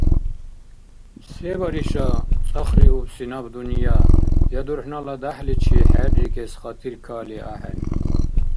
Се бариша цӀахриубси наб дунъя? Я дурхӀнала дяхӀличи хӀеррикӀес хатир кали axӀен.